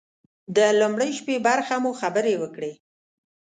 د لومړۍ شپې برخه مو خبرې وکړې.